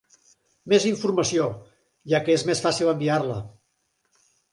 Més informació ja que és més fàcil enviar-la.